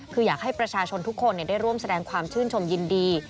คืออยากให้ประชาชนทุกคนได้ร่วมแสดงความชื่นชมยินดี